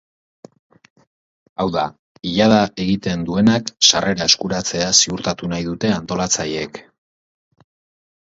Hauda, ilada egiten duenak sarrera eskuratzea ziurtatu nahi dute antolatzaileek.